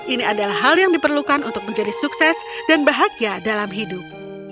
ini adalah hal yang diperlukan untuk menjadi sukses dan bahagia dalam hidup